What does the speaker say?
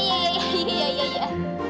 makasih banget ya